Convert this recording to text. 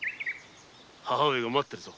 母上が待っているぞ。